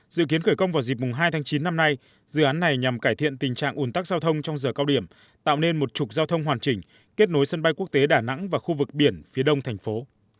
dự kiến khởi công vào dịp hai tháng chín năm nay dự án này nhằm cải thiện tình trạng ủn tắc giao thông trong giờ cao điểm tạo nên một trục giao thông hoàn chỉnh kết nối sân bay quốc tế đà nẵng và khu vực biển phía đông thành phố